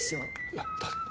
いやだって